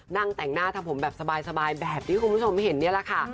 นั่งแต่งหน้าทำผมแบบสบายแบบที่คุณผู้ชมเห็นนี่แหละค่ะ